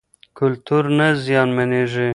کلتور نه زیانمنېږي.